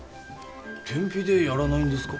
天火でやらないんですか？